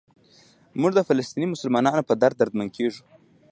موږ د فلسطیني مسلمانانو په درد دردمند کېږو.